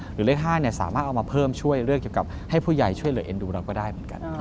หรือเลข๕สามารถเอามาเพิ่มช่วยเลือกเกี่ยวกับให้ผู้ใหญ่ช่วยเหลือเอ็นดูเราก็ได้เหมือนกัน